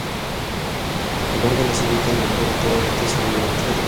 El órgano se ubica en el coro alto sobre la entrada occidental.